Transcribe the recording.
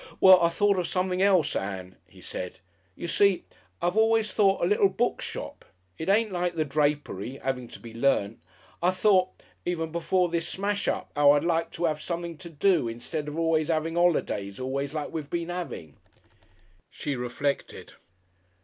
"Well, I thought of something else, Ann," he said. "You see, I've always thought a little book shop. It isn't like the drapery 'aving to be learnt. I thought even before this smash up 'ow I'd like to 'ave something to do, instead of always 'aving 'olidays always like we 'ave been 'aving." He reflected.